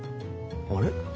あれ？